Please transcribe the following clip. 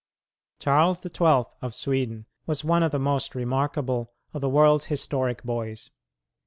Charles the Twelfth of Sweden was one of the most remarkable of the world's historic boys.